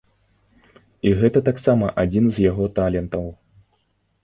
І гэта таксама адзін з яго талентаў.